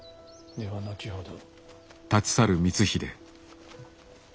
では後ほど。